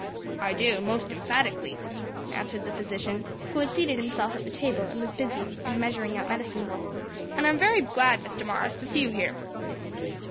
"I do most emphatically," answered the physician, who had seated himself at the table and was busied in measuring out medicines; "and I'm very glad, Miss Damaris, to see you here."